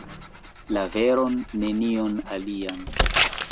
La veron, nenion alian.